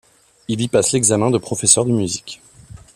Il y passe l'examen de professeur de musique.